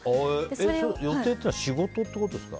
予定っていうのは仕事ってことですか？